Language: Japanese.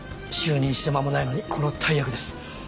就任して間もないのにこの大役です。